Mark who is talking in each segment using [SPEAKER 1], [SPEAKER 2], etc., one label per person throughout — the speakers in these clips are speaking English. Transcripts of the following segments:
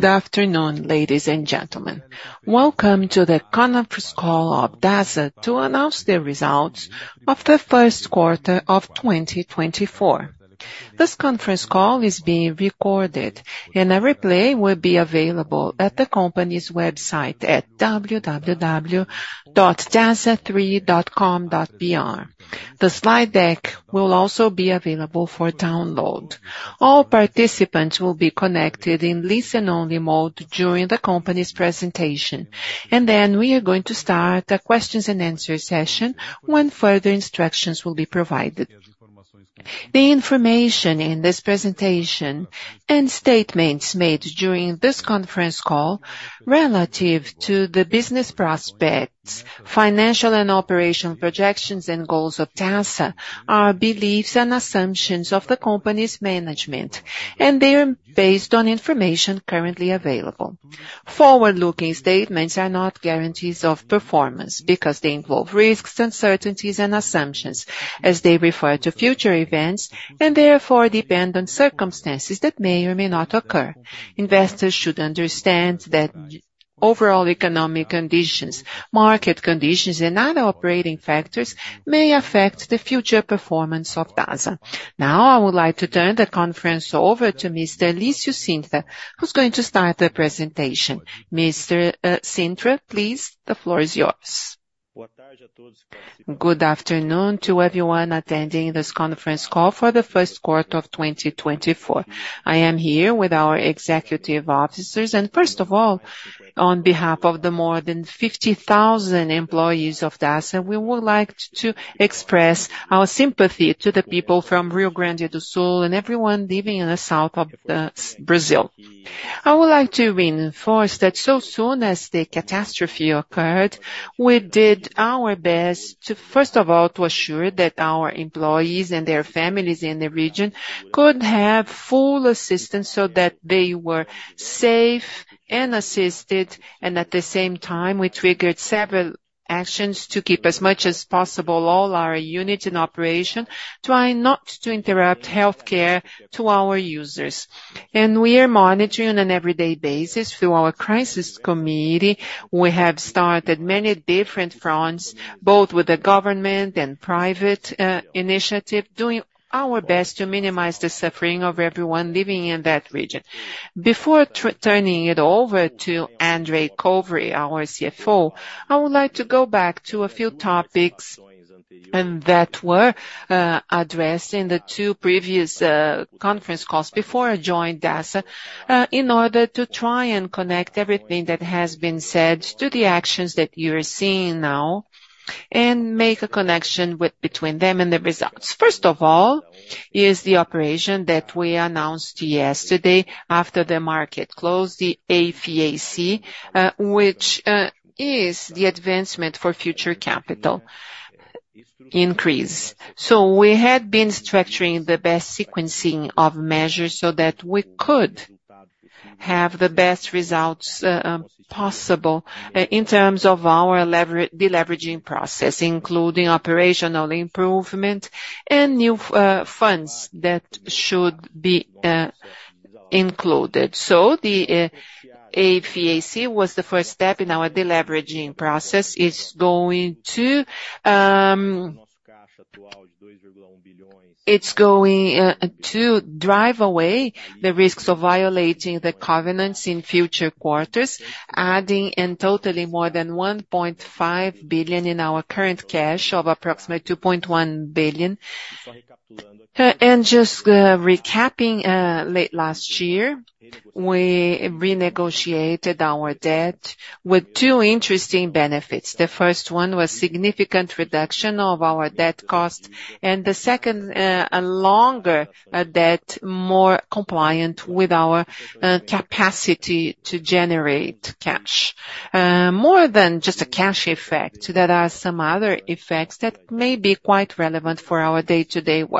[SPEAKER 1] Good afternoon, ladies and gentlemen. Welcome to the conference call of Dasa to announce the results of the Q1 of 2024. This conference call is being recorded, and a replay will be available at the company's website at www.dasa3.com.br. The slide deck will also be available for download. All participants will be connected in listen-only mode during the company's presentation, and then we are going to start a questions and answer session when further instructions will be provided. The information in this presentation and statements made during this conference call relative to the business prospects, financial and operational projections, and goals of Dasa are beliefs and assumptions of the company's management, and they are based on information currently available. Forward-looking statements are not guarantees of performance because they involve risks, uncertainties, and assumptions as they refer to future events, and therefore depend on circumstances that may or may not occur. Investors should understand that overall economic conditions, market conditions, and other operating factors may affect the future performance of Dasa. Now, I would like to turn the conference over to Mr. Lício Cintra, who's going to start the presentation. Mr. Cintra, please. The floor is yours.
[SPEAKER 2] Good afternoon
[SPEAKER 1] to everyone attending this conference call for the Q1 of 2024. I am here with our executive officers, and first of all, on behalf of the more than 50,000 employees of Dasa, we would like to express our sympathy to the people from Rio Grande do Sul and everyone living in the south of Brazil. I would like to reinforce that as soon as the catastrophe occurred, we did our best to, first of all, to assure that our employees and their families in the region could have full assistance so that they were safe and assisted, and at the same time, we triggered several actions to keep as much as possible, all our units in operation, trying not to interrupt healthcare to our users. We are monitoring on an every day basis through our crisis committee. We have started many different fronts, both with the government and private initiative, doing our best to minimize the suffering of everyone living in that region. Before turning it over to André Covre, our CFO, I would like to go back to a few topics that were addressed in the two previous conference calls before I joined Dasa in order to try and connect everything that has been said to the actions that you are seeing now and make a connection between them and the results. First of all, is the operation that we announced yesterday after the market closed, the AFAC, which is the advancement for future capital increase. So we had been structuring the best sequencing of measures so that we could have the best results possible in terms of our deleveraging process, including operational improvement and new funds that should be included. So the AFAC was the first step in our deleveraging process. It's going to drive away the risks of violating the covenants in future quarters, adding and totaling more than 1.5 billion in our current cash of approximately 2.1 billion. And just recapping, late last year, we renegotiated our debt with two interesting benefits. The first one was significant reduction of our debt cost, and the second, a longer debt, more compliant with our capacity to generate cash. More than just a cash effect, there are some other effects that may be quite relevant for our day-to-day work.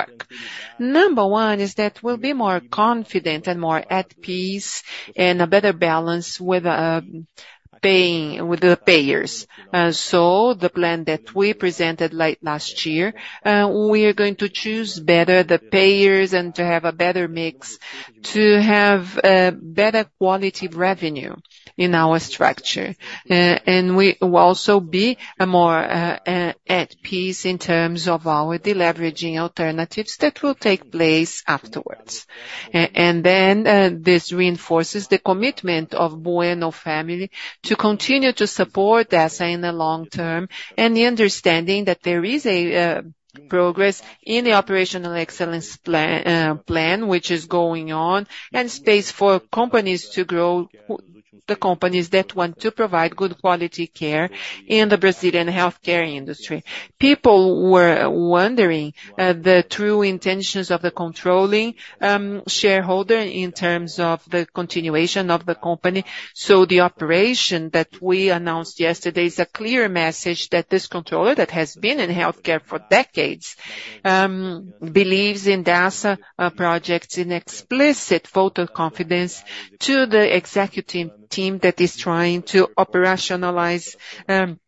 [SPEAKER 1] Number one is that we'll be more confident and more at peace and a better balance with paying with the payers. So the plan that we presented late last year, we are going to choose better the payers and to have a better mix, to have better quality of revenue in our structure. And we will also be more at peace in terms of our deleveraging alternatives that will take place afterwards. And then this reinforces the commitment of the Bueno family to continue to support Dasa in the long term, and the understanding that there is progress in the operational excellence plan, which is going on, and space for companies to grow, the companies that want to provide good quality care in the Brazilian healthcare industry. People were wondering the true intentions of the controlling shareholder in terms of the continuation of the company. So the operation that we announced yesterday is a clear message that this controller, that has been in healthcare for decades, believes in Dasa projects, an explicit vote of confidence to the executive team that is trying to operationalize and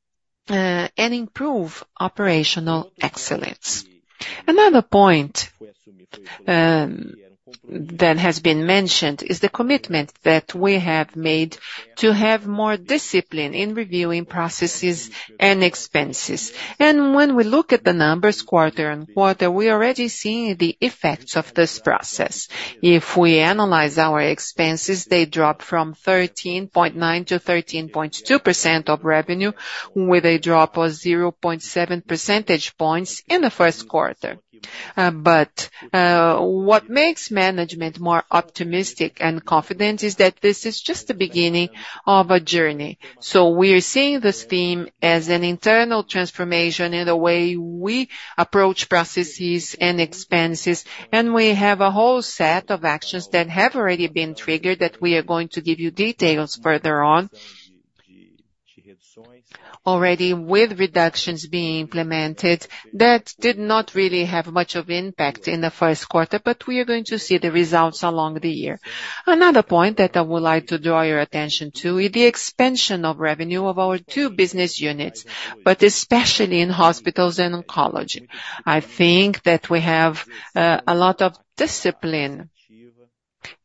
[SPEAKER 1] improve operational excellence. Another point that has been mentioned is the commitment that we have made to have more discipline in reviewing processes and expenses. When we look at the numbers quarter-on-quarter, we are already seeing the effects of this process. If we analyze our expenses, they dropped from 13.9% to 13.2% of revenue, with a drop of 0.7 percentage points in the Q1. But what makes management more optimistic and confident is that this is just the beginning of a journey. So we are seeing this theme as an internal transformation in the way we approach processes and expenses, and we have a whole set of actions that have already been triggered, that we are going to give you details further on. Already, with reductions being implemented, that did not really have much of impact in the Q1, but we are going to see the results along the year. Another point that I would like to draw your attention to is the expansion of revenue of our two business units, but especially in hospitals and oncology. I think that we have a lot of discipline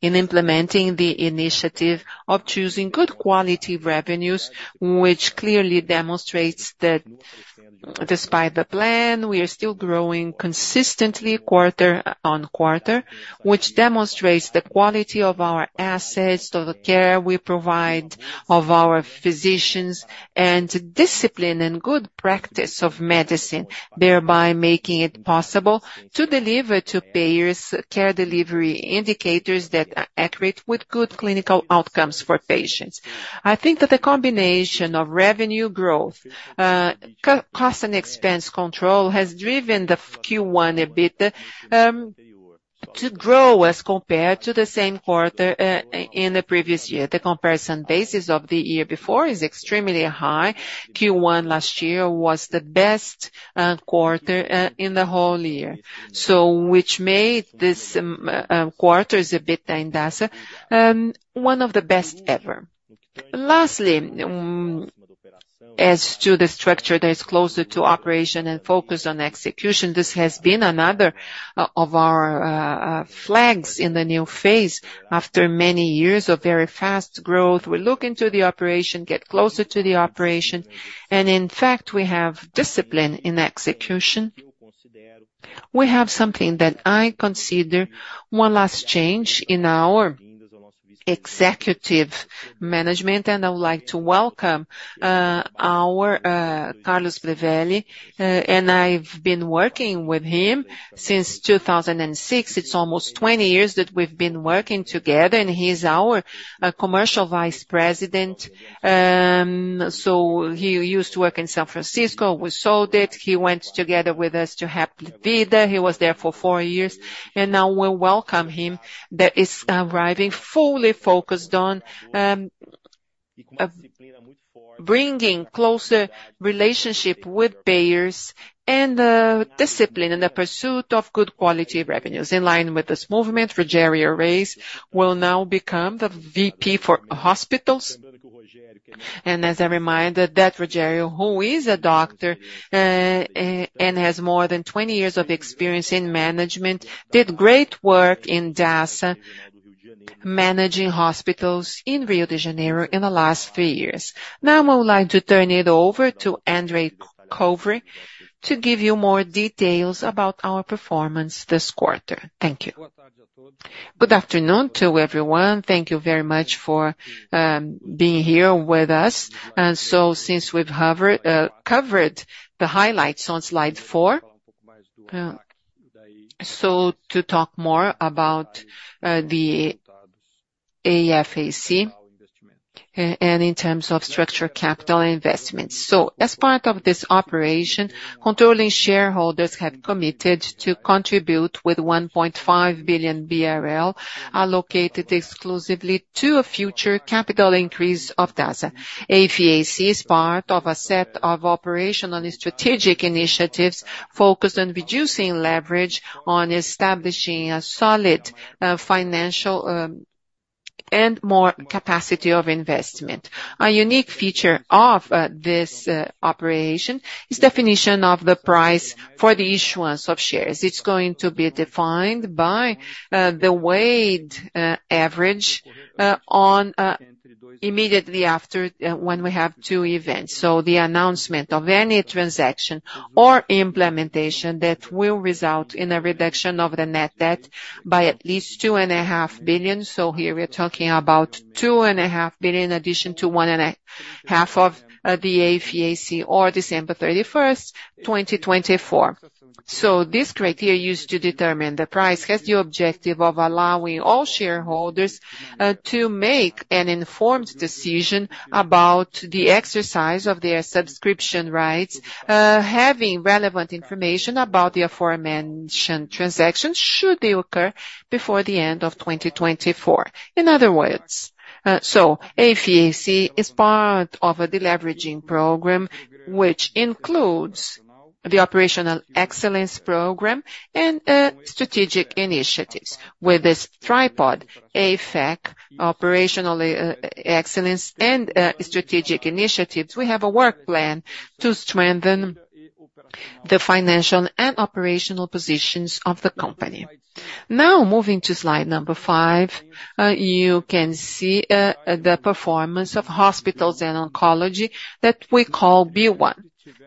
[SPEAKER 1] in implementing the initiative of choosing good quality revenues, which clearly demonstrates that despite the plan, we are still growing consistently quarter-over-quarter. Which demonstrates the quality of our assets, of the care we provide, of our physicians, and discipline and good practice of medicine, thereby making it possible to deliver to payers care delivery indicators that are accurate, with good clinical outcomes for patients. I think that the combination of revenue growth, cost and expense control, has driven the Q1 EBITDA to grow as compared to the same quarter, in the previous year. The comparison basis of the year before is extremely high. Q1 last year was the best quarter in the whole year, so which made this quarter is EBITDA in Dasa one of the best ever. Lastly, as to the structure that is closer to operation and focus on execution, this has been another of our flags in the new phase. After many years of very fast growth, we look into the operation, get closer to the operation, and in fact, we have discipline in execution. We have something that I consider one last change in our executive management, and I would like to welcome our Carlos Pires, and I've been working with him since 2006. It's almost 20 years that we've been working together, and he's our Commercial Vice President. So he used to work in São Francisco. We sold it. He went together with us to Hapvida. He was there for 4 years, and now we welcome him. That is arriving fully focused on bringing closer relationship with payers and discipline in the pursuit of good quality revenues. In line with this movement, Rogério Reis will now become the VP for hospitals. As a reminder, that Rogério, who is a doctor, and has more than 20 years of experience in management, did great work in Dasa, managing hospitals in Rio de Janeiro in the last 3 years. Now, I would like to turn it over to André Covre, to give you more details about our performance this quarter.
[SPEAKER 3] Thank you. Good afternoon to everyone. Thank you very much for being here with us. And so since we've covered the highlights on slide 4, so to talk more about the AFAC, and in terms of structure, capital, and investment. So as part of this operation, controlling shareholders have committed to contribute with 1.5 billion BRL, allocated exclusively to a future capital increase of Dasa. AFAC is part of a set of operational and strategic initiatives focused on reducing leverage, on establishing a solid, financial, and more capacity of investment. A unique feature of this operation is definition of the price for the issuance of shares. It's going to be defined by the weighted average on immediately after when we have two events. So the announcement of any transaction or implementation that will result in a reduction of the net debt by at least 2.5 billion. So here we are talking about 2.5 billion, in addition to 1.5 of the AFAC or December 31, 2024. So this criteria used to determine the price, has the objective of allowing all shareholders, to make an informed decision about the exercise of their subscription rights, having relevant information about the aforementioned transactions, should they occur before the end of 2024. In other words, so AFAC is part of a deleveraging program, which includes the operational excellence program and, strategic initiatives. With this tripod, AFAC, operational excellence and, strategic initiatives, we have a work plan to strengthen the financial and operational positions of the company. Now, moving to slide number 5, you can see, the performance of hospitals and oncology that we call BU1.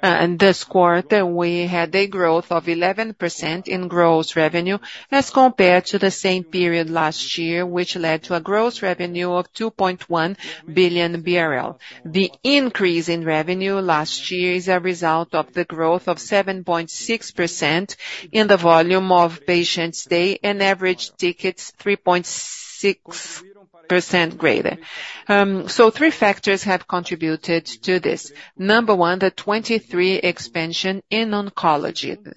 [SPEAKER 3] And this quarter, we had a growth of 11% in gross revenue as compared to the same period last year, which led to a gross revenue of 2.1 billion BRL. The increase in revenue last year is a result of the growth of 7.6% in the volume of patient stay and average tickets 3.6% greater. Three factors have contributed to this. Number one, the 2023 expansion in oncology, this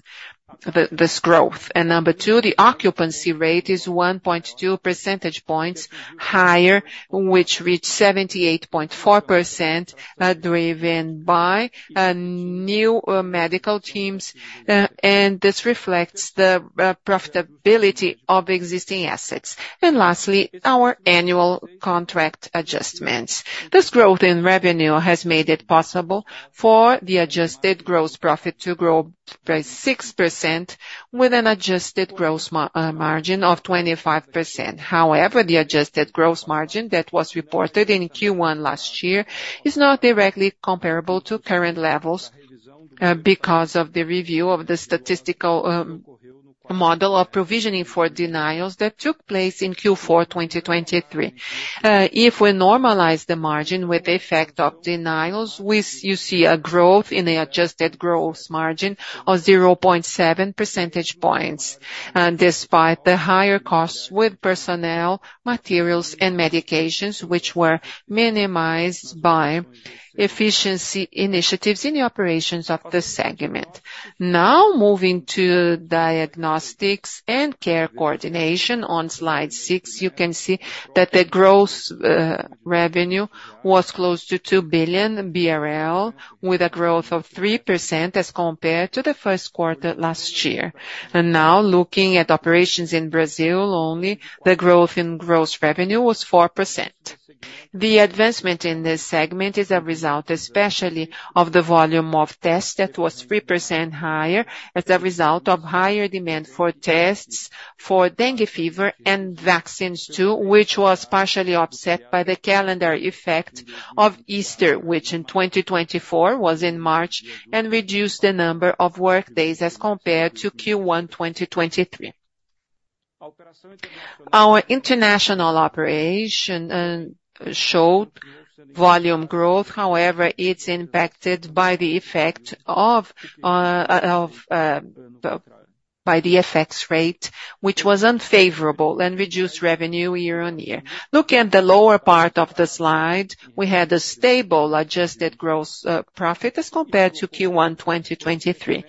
[SPEAKER 3] growth. And number two, the occupancy rate is 1.2 percentage points higher, which reached 78.4%, driven by new medical teams, and this reflects the profitability of existing assets. And lastly, our annual contract adjustments. This growth in revenue has made it possible for the adjusted gross profit to grow by 6% with an adjusted gross margin of 25%. However, the adjusted gross margin that was reported in Q1 last year is not directly comparable to current levels, because of the review of the statistical model of provisioning for denials that took place in Q4, 2023. If we normalize the margin with the effect of denials, you see a growth in the adjusted gross margin of 0.7 percentage points, and despite the higher costs with personnel, materials, and medications, which were minimized by efficiency initiatives in the operations of the segment. Now, moving to diagnostics and care coordination. On Slide 6, you can see that the gross revenue was close to 2 billion BRL, with a growth of 3% as compared to the Q1 last year. And now, looking at operations in Brazil only, the growth in gross revenue was 4%. The advancement in this segment is a result, especially of the volume of tests, that was 3% higher, as a result of higher demand for tests for dengue fever and vaccines, too, which was partially offset by the calendar effect of Easter, which in 2024 was in March, and reduced the number of workdays as compared to Q1 2023. Our international operation showed volume growth. However, it's impacted by the effect of, by the FX rate, which was unfavorable and reduced revenue year-on-year. Looking at the lower part of the slide, we had a stable adjusted gross profit as compared to Q1 2023.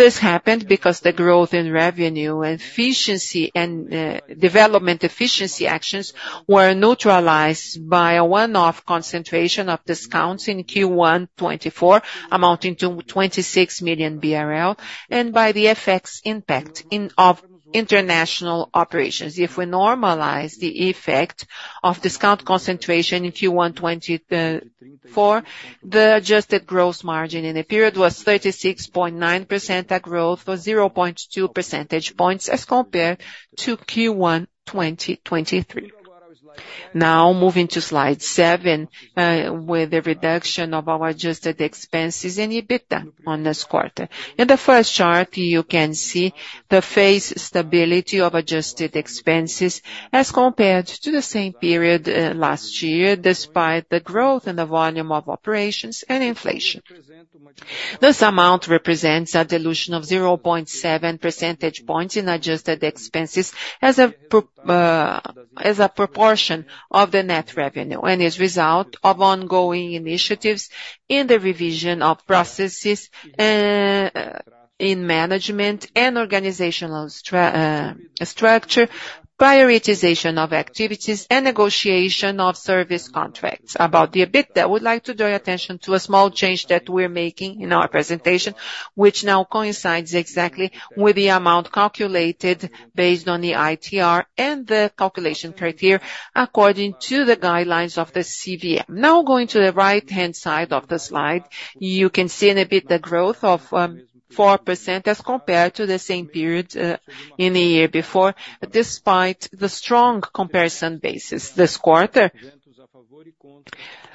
[SPEAKER 3] This happened because the growth in revenue and efficiency and development efficiency actions were neutralized by a one-off concentration of discounts in Q1 2024, amounting to 26 million BRL and by the FX impact in of international operations. If we normalize the effect of discount concentration in Q1 2024, the adjusted gross margin in the period was 36.9%. That growth was 0.2 percentage points as compared to Q1 2023. Now, moving to slide 7 with the reduction of our adjusted expenses and EBITDA on this quarter. In the first chart, you can see the SG&A stability of adjusted expenses as compared to the same period last year, despite the growth in the volume of operations and inflation. This amount represents a dilution of 0.7 percentage points in adjusted expenses as a proportion of the net revenue, and as a result of ongoing initiatives in the revision of processes, in management and organizational structure, prioritization of activities, and negotiation of service contracts. About the EBITDA, I would like to draw your attention to a small change that we're making in our presentation, which now coincides exactly with the amount calculated based on the ITR and the calculation criteria, according to the guidelines of the CVM. Now, going to the right-hand side of the slide, you can see in EBITDA the growth of 4% as compared to the same period in the year before, despite the strong comparison basis this quarter.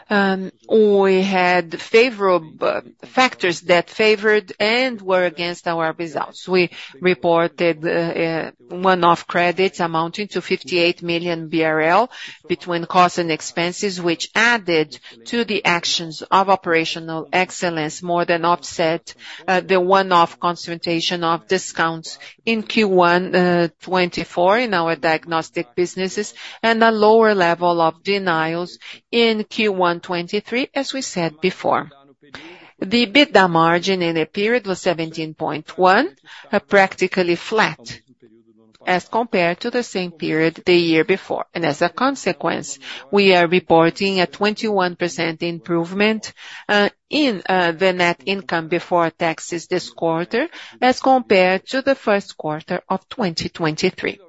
[SPEAKER 3] We had favorable factors that favored and were against our results. We reported a one-off credit amounting to 58 million BRL between costs and expenses, which added to the actions of operational excellence, more than offset the one-off concentration of discounts in Q1 2024 in our diagnostic businesses, and a lower level of denials in Q1 2023, as we said before. The EBITDA margin in the period was 17.1, practically flat as compared to the same period the year before. And as a consequence, we are reporting a 21% improvement in the net income before taxes this quarter, as compared to the Q1 of 2023.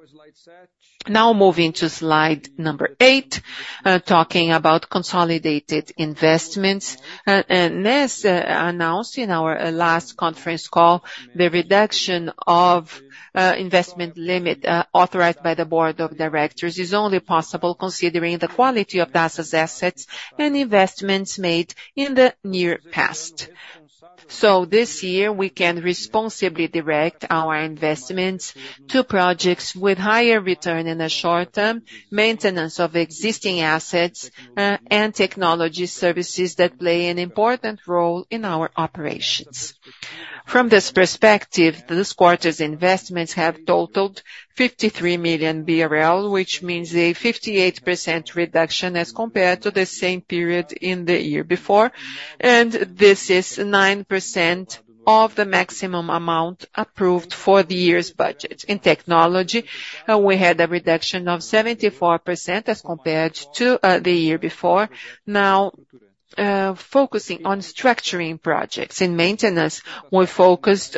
[SPEAKER 3] Now moving to slide number 8, talking about consolidated investments. This, announced in our last conference call, the reduction of investment limit authorized by the board of directors, is only possible considering the quality of Dasa's assets and investments made in the near past. So this year, we can responsibly direct our investments to projects with higher return in the short term, maintenance of existing assets, and technology services that play an important role in our operations. From this perspective, this quarter's investments have totaled 53 million BRL, which means a 58% reduction as compared to the same period in the year before, and this is 9% of the maximum amount approved for the year's budget. In technology, we had a reduction of 74% as compared to the year before. Now, focusing on structuring projects. In maintenance, we focused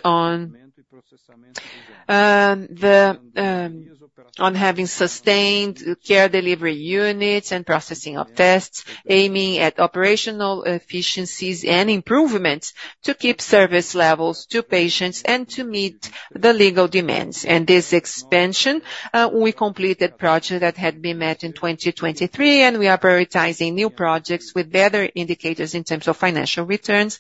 [SPEAKER 3] on having sustained care delivery units and processing of tests, aiming at operational efficiencies and improvements to keep service levels to patients and to meet the legal demands. This expansion, we completed project that had been met in 2023, and we are prioritizing new projects with better indicators in terms of financial returns,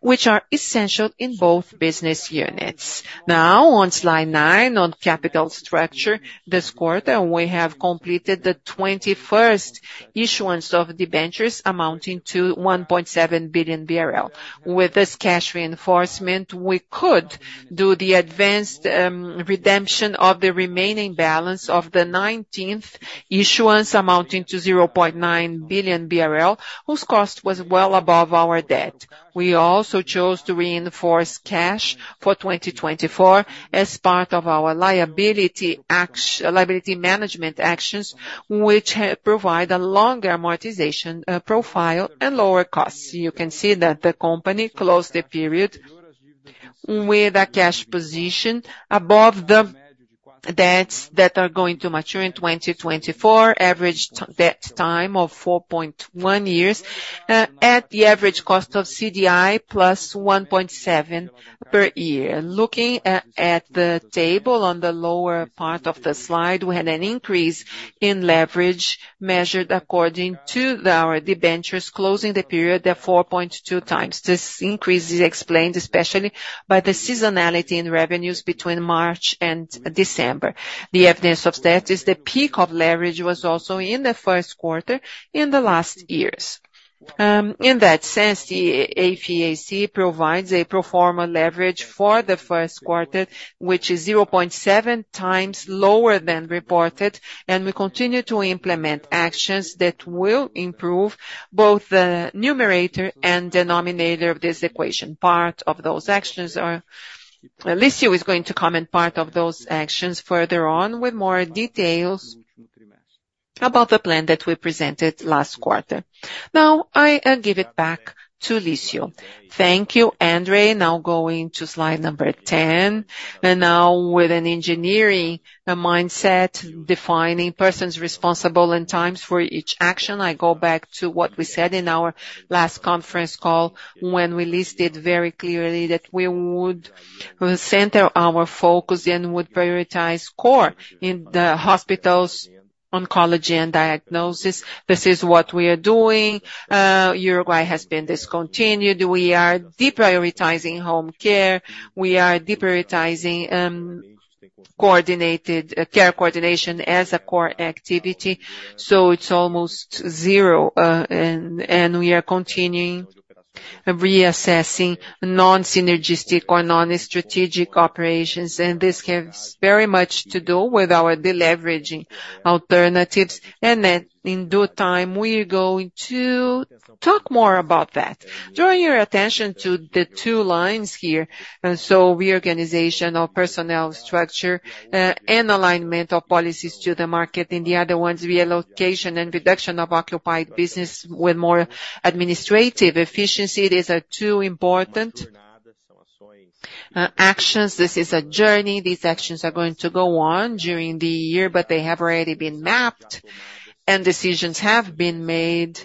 [SPEAKER 3] which are essential in both business units. Now, on slide 9, on capital structure. This quarter, we have completed the 21st issuance of debentures amounting to 1.7 billion BRL. With this cash reinforcement, we could do the advanced redemption of the remaining balance of the 19th issuance, amounting to 0.9 billion BRL, whose cost was well above our debt. We also chose to reinforce cash for 2024 as part of our liability management actions, which provide a longer amortization profile and lower costs. You can see that the company closed the period with a cash position above the debts that are going to mature in 2024, average debt time of 4.1 years, at the average cost of CDI plus 1.7% per year. Looking at the table on the lower part of the slide, we had an increase in leverage measured according to our debentures, closing the period at 4.2x. This increase is explained especially by the seasonality in revenues between March and December. The evidence of that is the peak of leverage was also in the Q1 in the last years. In that sense, the AFAC provides a pro forma leverage for the Q1, which is 0.7 times lower than reported, and we continue to implement actions that will improve both the numerator and denominator of this equation. Part of those actions are. Lício is going to comment part of those actions further on with more details about the plan that we presented last quarter. Now, I give it back to Lício. Thank you, André. Now going to slide number 10. Now with an engineering mindset, defining persons responsible and times for each action, I go back to what we said in our last conference call, when we listed very clearly that we would center our focus and would prioritize core in the hospitals, oncology, and diagnosis. This is what we are doing. Uruguay has been discontinued. We are deprioritizing home care.
[SPEAKER 1] We are deprioritizing coordinated care coordination as a core activity, so it's almost zero. We are continuing reassessing non-synergistic or non-strategic operations, and this has very much to do with our deleveraging alternatives. And then in due time, we are going to talk more about that. Draw your attention to the two lines here, and so reorganization of personnel structure and alignment of policies to the market, and the other one's reallocation and reduction of occupied business with more administrative efficiency. These are two important actions. This is a journey. These actions are going to go on during the year, but they have already been mapped, and decisions have been made.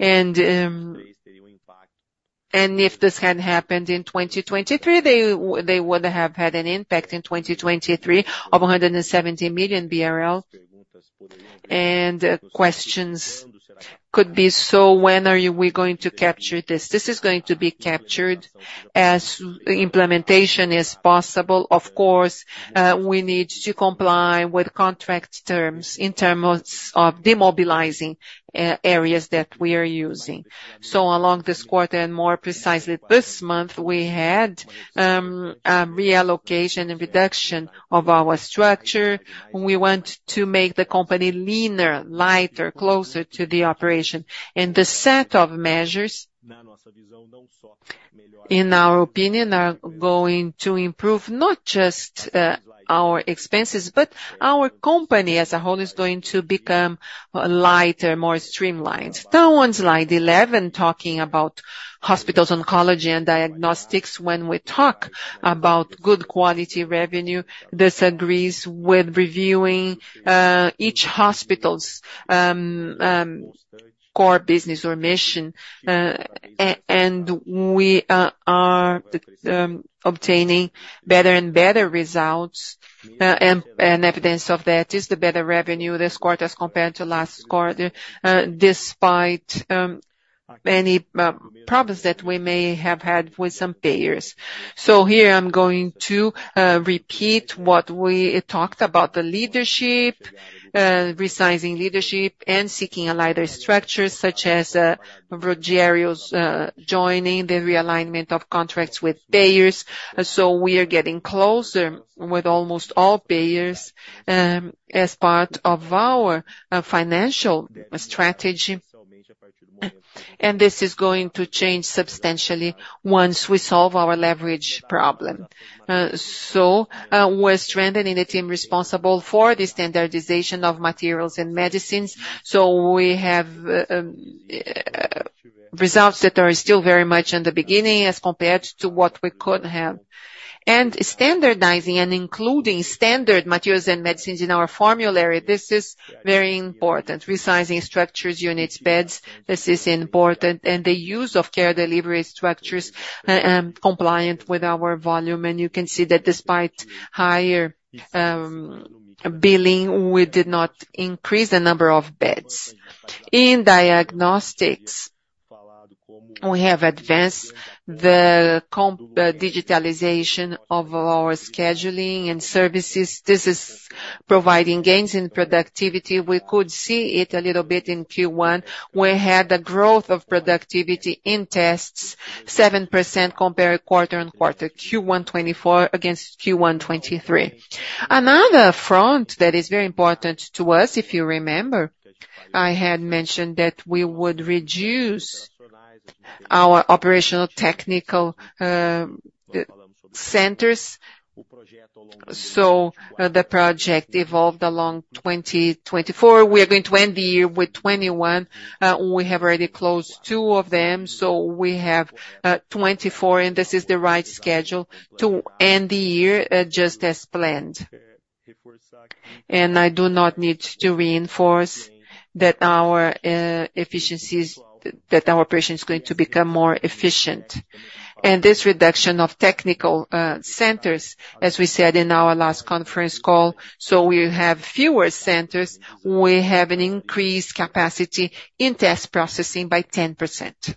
[SPEAKER 1] If this had happened in 2023, they would have had an impact in 2023 of 170 million BRL. Questions could be: "So when are you-- we going to capture this?" This is going to be captured as implementation is possible. Of course, we need to comply with contract terms in terms of demobilizing areas that we are using. So along this quarter, and more precisely this month, we had reallocation and reduction of our structure. We want to make the company leaner, lighter, closer to the operation. And the set of measures, in our opinion, are going to improve not just our expenses, but our company as a whole is going to become lighter, more streamlined. The ones like eleven, talking about hospitals, oncology and diagnostics. When we talk about good quality revenue, this agrees with reviewing each hospital's core business or mission. And we are obtaining better and better results, and evidence of that is the better revenue this quarter as compared to last quarter, despite many problems that we may have had with some payers. So here I'm going to repeat what we talked about the leadership, resizing leadership, and seeking a lighter structure, such as Rogério's joining, the realignment of contracts with payers. So we are getting closer with almost all payers, as part of our financial strategy. And this is going to change substantially once we solve our leverage problem. So we're strengthening the team responsible for the standardization of materials and medicines, so we have results that are still very much in the beginning as compared to what we could have. Standardizing and including standard materials and medicines in our formulary, this is very important. Resizing structures, units, beds, this is important. The use of care delivery structures, compliant with our volume, and you can see that despite higher billing, we did not increase the number of beds. In diagnostics, we have advanced the digitalization of our scheduling and services. This is providing gains in productivity. We could see it a little bit in Q1. We had a growth of productivity in tests, 7% compared quarter-on-quarter, Q1 2024 against Q1 2023. Another front that is very important to us, if you remember, I had mentioned that we would reduce our operational technical centers. So the project evolved along 2024. We are going to end the year with 21. We have already closed 2 of them, so we have 24, and this is the right schedule to end the year, just as planned. I do not need to reinforce that our efficiencies, that our operation is going to become more efficient. This reduction of technical centers, as we said in our last conference call, so we will have fewer centers. We have an increased capacity in test processing by 10%.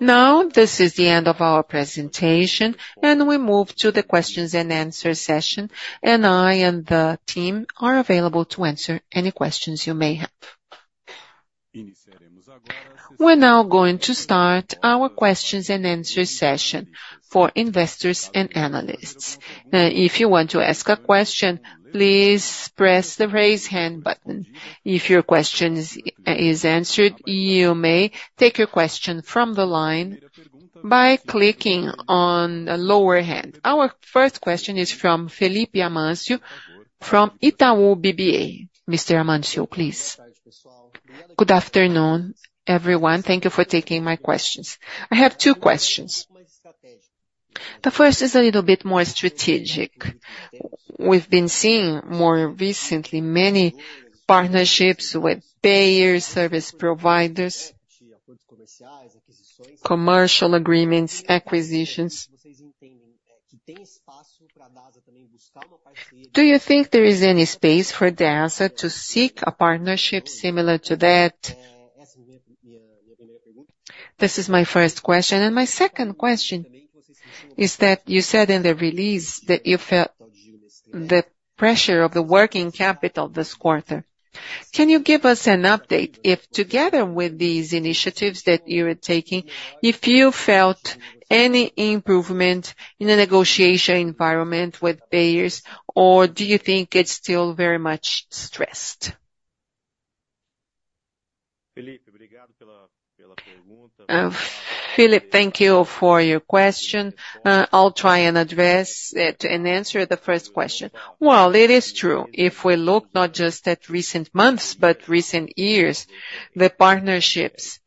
[SPEAKER 1] Now, this is the end of our presentation, and we move to the questions and answer session, and I and the team are available to answer any questions you may have. We're now going to start our questions and answer session for investors and analysts. If you want to ask a question, please press the Raise Hand button. If your question is answered, you may take your question from the line by clicking on the lower hand. Our first question is from Felipe Amâncio, from Itaú BBA. Mr. Amâncio, please.
[SPEAKER 4] Good afternoon, everyone. Thank you for taking my questions. I have two questions. The first is a little bit more strategic. We've been seeing more recently many partnerships with payers, service providers, commercial agreements, acquisitions. Do you think there is any space for the answer to seek a partnership similar to that? This is my first question. And my second question is that you said in the release that you felt the pressure of the working capital this quarter. Can you give us an update if, together with these initiatives that you are taking, you felt any improvement in the negotiation environment with payers, or do you think it's still very much stressed?
[SPEAKER 2] Felipe, thank you for your question.
[SPEAKER 1] I'll try and address it and answer the first question. Well, it is true, if we look not just at recent months, but recent years, the partnerships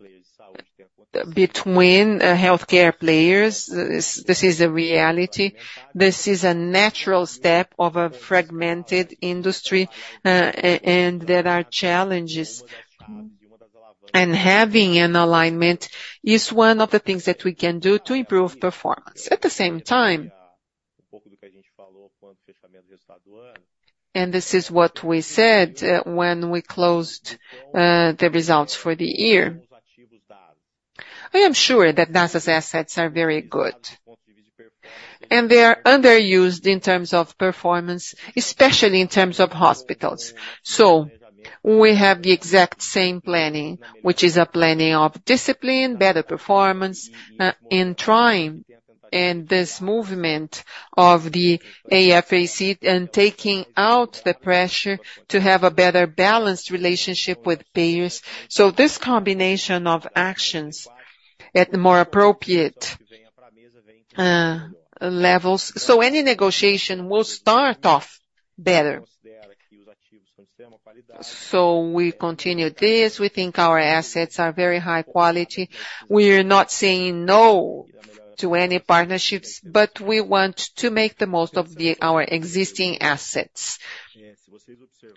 [SPEAKER 1] between healthcare players; this is a reality. This is a natural step of a fragmented industry, and there are challenges. Having an alignment is one of the things that we can do to improve performance. At the same time, and this is what we said, when we closed the results for the year. I am sure that Dasa's assets are very good, and they are underused in terms of performance, especially in terms of hospitals. We have the exact same planning, which is a planning of discipline, better performance, in trying-... This movement of the AFAC, and taking out the pressure to have a better balanced relationship with payers. So this combination of actions at the more appropriate levels, so any negotiation will start off better. So we continue this. We think our assets are very high quality. We are not saying no to any partnerships, but we want to make the most of the, our existing assets.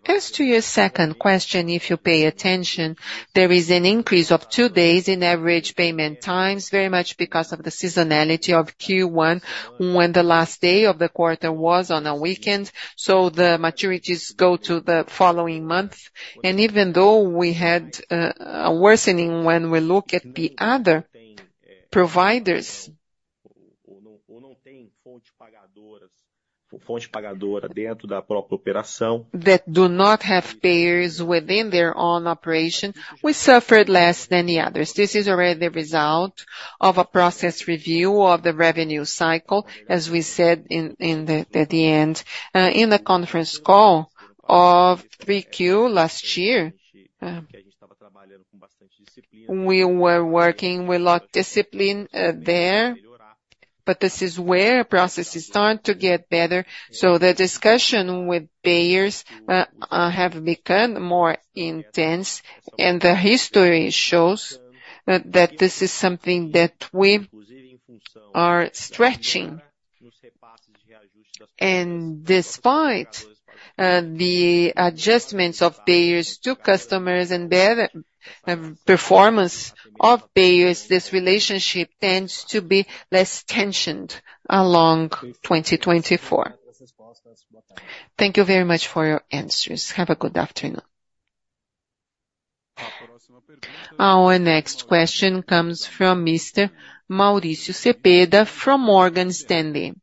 [SPEAKER 1] As to your second question, if you pay attention, there is an increase of two days in average payment times, very much because of the seasonality of Q1, when the last day of the quarter was on a weekend, so the maturities go to the following month. And even though we had a worsening, when we look at the other providers, that do not have payers within their own operation, we suffered less than the others. This is already the result of a process review of the revenue cycle, as we said in, in the, at the end, in the conference call of 3Q last year. We were working with a lot discipline, there, but this is where processes start to get better. So the discussion with payers, have become more intense, and the history shows that, that this is something that we are stretching. And despite, the adjustments of payers to customers and the performance of payers, this relationship tends to be less tensioned along 2024.
[SPEAKER 4] Thank you very much for your answers. Have a good afternoon.
[SPEAKER 1] Our next question comes from Mr. Mauricio Cepeda from Morgan Stanley.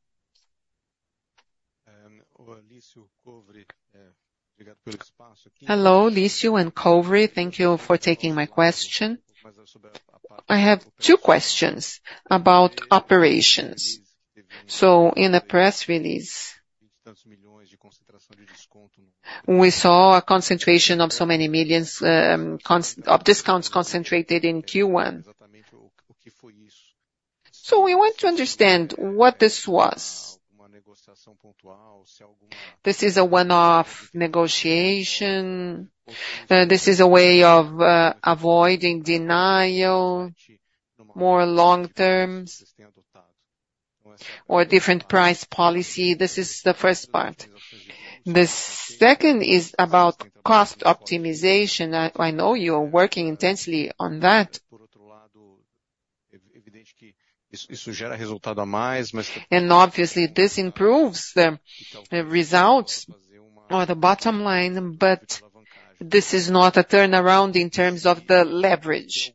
[SPEAKER 5] Hello, Lício and Covre. Thank you for taking my question. I have two questions about operations.
[SPEAKER 1] So in a press release, we saw a concentration of so many millions of discounts concentrated in Q1. We want to understand what this was. This is a one-off negotiation? This is a way of avoiding denial, more long terms or different price policy? This is the first part. The second is about cost optimization. I know you are working intensely on that. And obviously, this improves the results or the bottom line, but this is not a turnaround in terms of the leverage.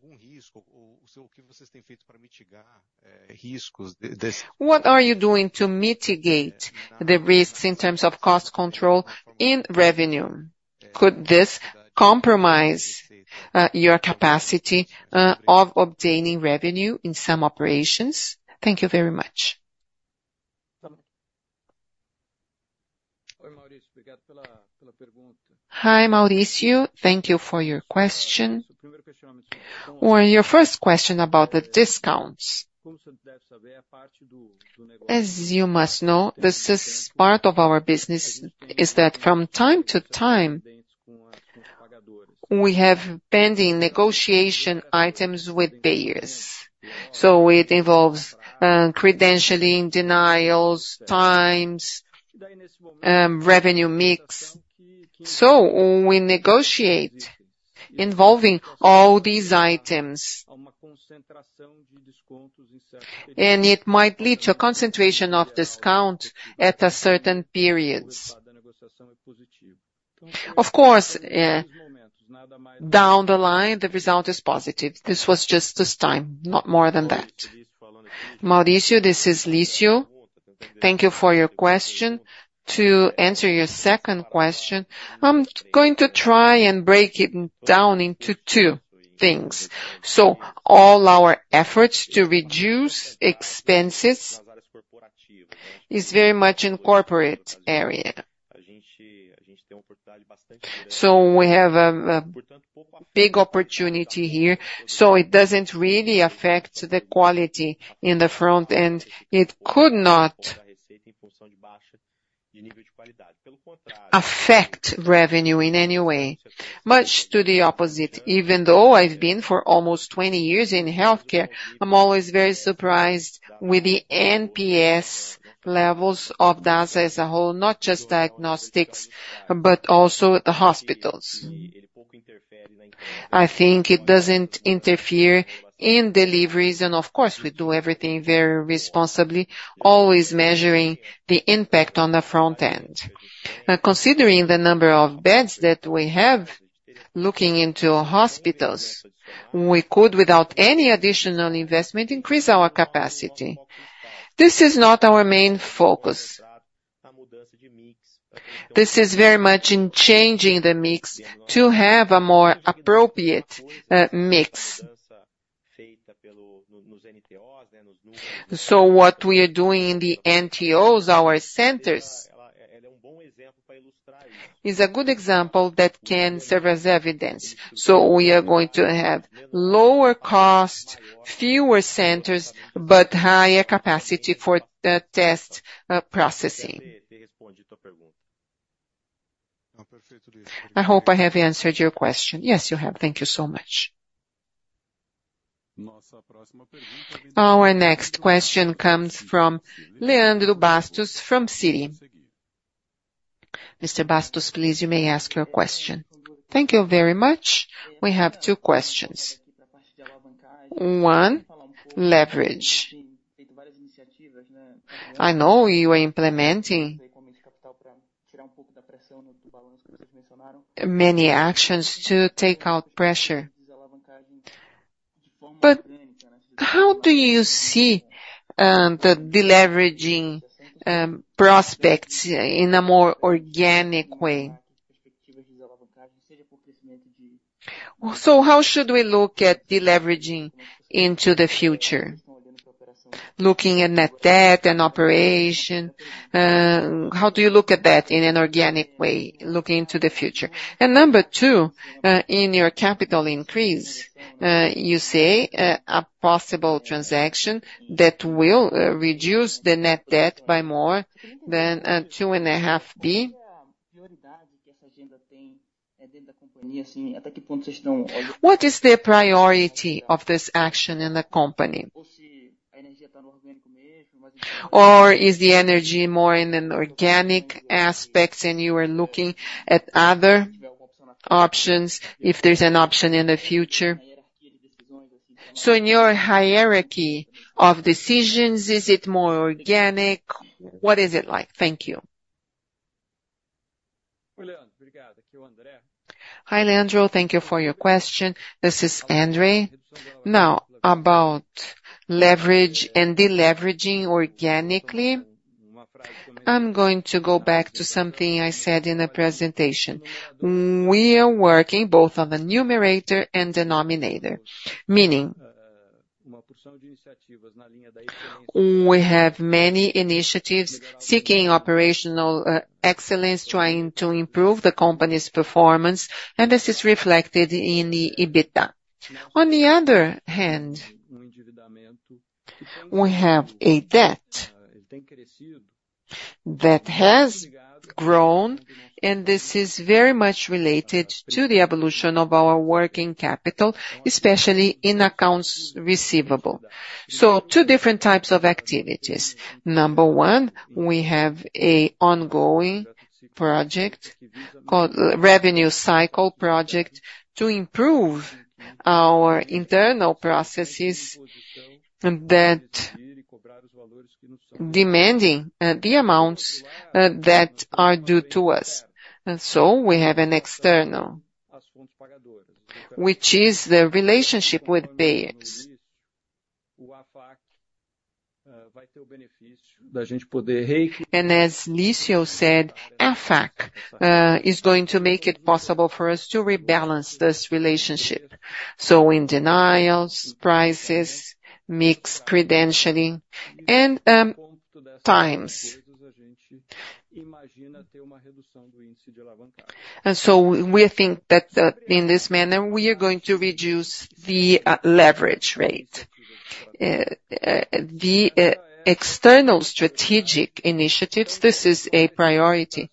[SPEAKER 1] What are you doing to mitigate the risks in terms of cost control in revenue? Could this compromise your capacity of obtaining revenue in some operations? Thank you very much.
[SPEAKER 2] Hi, Mauricio. Thank you for your question.
[SPEAKER 1] On your first question about the discounts, as you must know, this is part of our business, is that from time to time, we have pending negotiation items with payers. So it involves credentialing, denials, times, revenue mix. So when we negotiate involving all these items, and it might lead to a concentration of discount at a certain periods. Of course, down the line, the result is positive. This was just this time, not more than that. Mauricio, this is Lício. Thank you for your question. To answer your second question, I'm going to try and break it down into two things. So all our efforts to reduce expenses is very much in corporate area. So we have a big opportunity here, so it doesn't really affect the quality in the front end. It could not affect revenue in any way. Much to the opposite, even though I've been for almost 20 years in healthcare, I'm always very surprised with the NPS levels of Dasa as a whole, not just diagnostics, but also the hospitals. I think it doesn't interfere in deliveries, and of course, we do everything very responsibly, always measuring the impact on the front end. Now, considering the number of beds that we have, looking into hospitals, we could, without any additional investment, increase our capacity. This is not our main focus.... This is very much in changing the mix to have a more appropriate, mix. So what we are doing in the NTOs, our centers, is a good example that can serve as evidence. So we are going to have lower cost, fewer centers, but higher capacity for the test, processing. I hope I have answered your question.
[SPEAKER 5] Yes, you have. Thank you so much.
[SPEAKER 1] Our next question comes from Leandro Bastos, from Citi. Mr. Bastos, please, you may ask your question.
[SPEAKER 6] Thank you very much. We have two questions. One, leverage. I know you are implementing many actions to take out pressure, but how do you see the deleveraging prospects in a more organic way? So how should we look at deleveraging into the future? Looking at net debt and operation, how do you look at that in an organic way, looking to the future? And number two, in your capital increase, you say a possible transaction that will reduce the net debt by more than 2.5 billion. What is the priority of this action in the company? Or is the energy more in an organic aspects, and you are looking at other options, if there's an option in the future? So in your hierarchy of decisions, is it more organic? What is it like? Thank you.
[SPEAKER 3] Hi, Leandro. Thank you for your question. This is André. Now, about leverage and deleveraging organically, I'm going to go back to something I said in the presentation. We are working both on the numerator and denominator. Meaning, we have many initiatives seeking operational excellence, trying to improve the company's performance, and this is reflected in the EBITDA. On the other hand, we have a debt that has grown, and this is very much related to the evolution of our working capital, especially in accounts receivable. So two different types of activities. Number one, we have an ongoing project called Revenue Cycle Project, to improve our internal processes, and that demanding the amounts that are due to us. And so we have an external, which is the relationship with payors. As Lício said, AFAC is going to make it possible for us to rebalance this relationship. So in denials, prices, mix, credentialing, and times. And so we think that in this manner, we are going to reduce the leverage rate. The external strategic initiatives, this is a priority.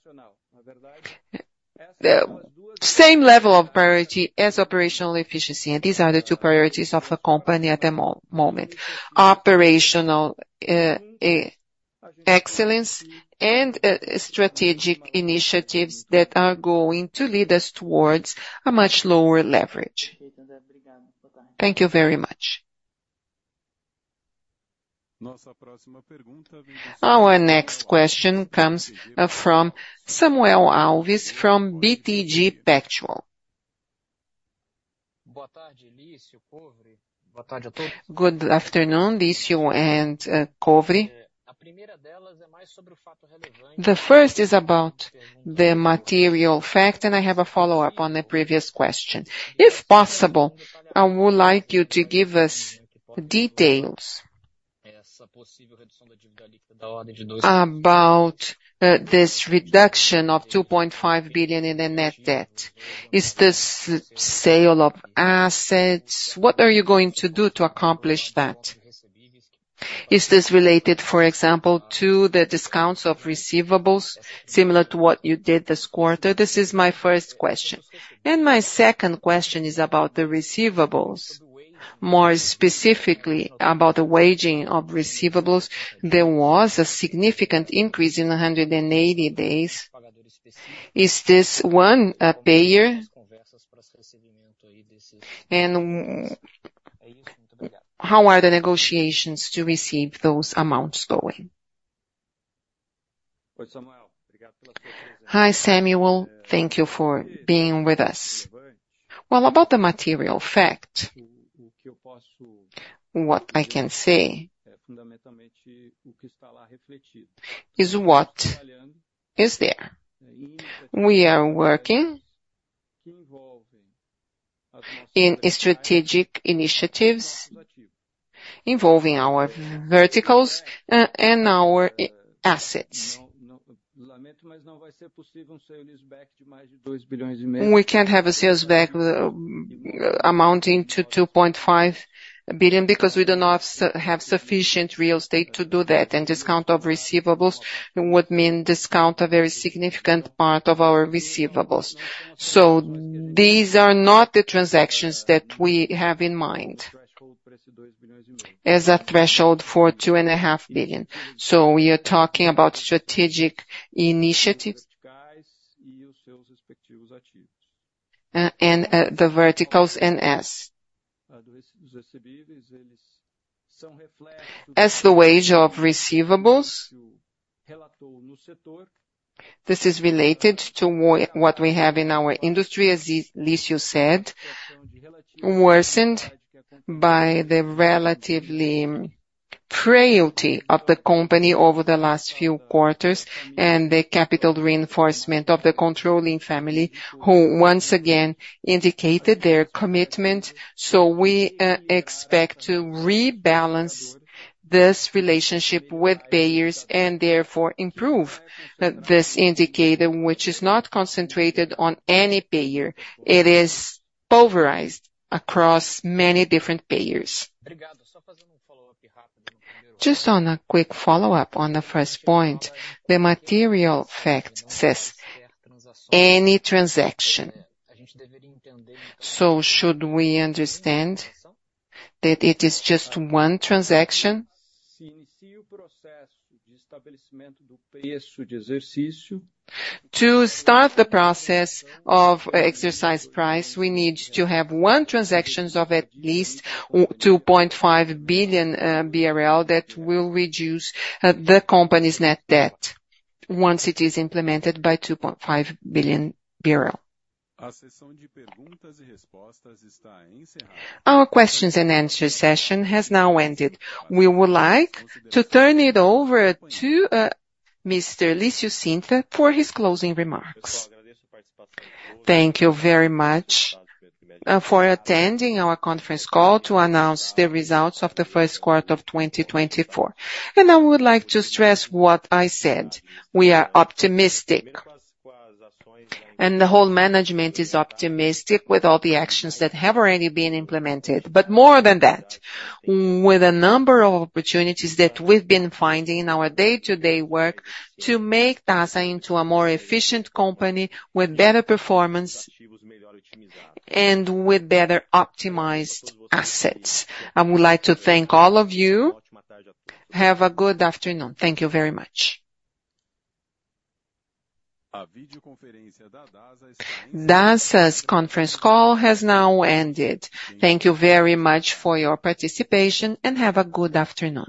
[SPEAKER 3] The same level of priority as operational efficiency, and these are the two priorities of the company at the moment: operational excellence and strategic initiatives that are going to lead us towards a much lower leverage.
[SPEAKER 6] Thank you very much.
[SPEAKER 1] Our next question comes from Samuel Alves, from BTG Pactual.
[SPEAKER 7] Good afternoon, Lício and Covre. The first is about the material fact, and I have a follow-up on the previous question. If possible, I would like you to give us details about this reduction of 2.5 billion in the net debt. Is this sale of assets? What are you going to do to accomplish that? Is this related, for example, to the discounts of receivables, similar to what you did this quarter? This is my first question. And my second question is about the receivables. More specifically, about the weighting of receivables, there was a significant increase in 180 days. Is this one a payer? And how are the negotiations to receive those amounts going?
[SPEAKER 8] Hi, Samuel. Thank you for being with us. Well, about the material fact, what I can say is what is there. We are working in strategic initiatives involving our verticals and our assets.
[SPEAKER 3] We can't have a sales back amounting to 2.5 billion, because we do not have sufficient real estate to do that, and discount of receivables would mean discount a very significant part of our receivables. So these are not the transactions that we have in mind, as a threshold for 2.5 billion. So we are talking about strategic initiatives, and the verticals and assets. As the age of receivables, this is related to what we have in our industry, as Lício said, worsened by the relative fragility of the company over the last few quarters, and the capital reinforcement of the controlling family, who once again indicated their commitment. So we expect to rebalance this relationship with payers, and therefore improve this indicator, which is not concentrated on any payer. It is pulverized across many different payers.
[SPEAKER 7] Just on a quick follow-up on the first point, the material fact says any transaction. So should we understand that it is just one transaction? To start the process of exercise price, we need to have one transaction of at least 2.5 billion BRL. That will reduce the company's net debt once it is implemented by 2.5 billion.
[SPEAKER 1] Our question and answer session has now ended. We would like to turn it over to Mr. Lício Cintra for his closing remarks.
[SPEAKER 2] Thank you very much for attending our conference call to announce the results of the Q1 of 2024. I would like to stress what I said: we are optimistic, and the whole management is optimistic with all the actions that have already been implemented. But more than that, with a number of opportunities that we've been finding in our day-to-day work, to make Dasa into a more efficient company, with better performance and with better optimized assets. I would like to thank all of you. Have a good afternoon. Thank you very much.
[SPEAKER 1] Dasa's conference call has now ended. Thank you very much for your participation, and have a good afternoon.